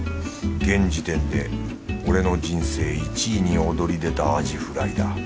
現時点で俺の人生１位に躍り出たアジフライだ